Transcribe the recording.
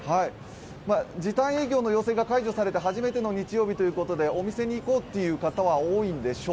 時短営業の要請が解除されて初めての日曜日ということでお店に行こうという方は多いんでしょう。